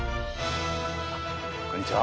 こんにちは。